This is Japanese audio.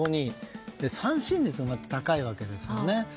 三振率も高いわけですよね。